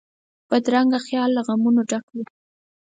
بدرنګه خیال له غمونو ډک وي